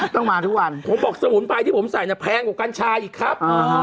ต้องมาทุกวันผมบอกสมุนไพรที่ผมใส่เนี่ยแพงกว่ากัญชาอีกครับ